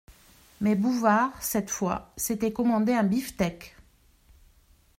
Mais Bouvard cette fois, s'était commandé un beefsteak.